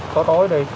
chắc tốt đi